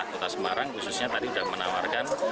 kota semarang khususnya tadi sudah menawarkan